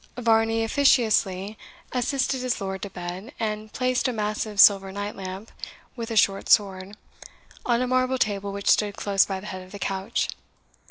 Varney officiously assisted his lord to bed, and placed a massive silver night lamp, with a short sword, on a marble table which stood close by the head of the couch.